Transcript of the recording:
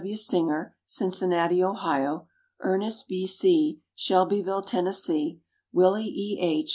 W. Singer, Cincinnati, Ohio; Ernest B. C., Shelbyville, Tennessee; Willie E. H.